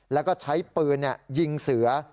แล้วก็ใช้ปืนยิงเสือ